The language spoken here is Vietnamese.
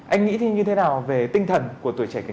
anh nghĩ thì như thế nào về tình hình của các đồng chí đồng đội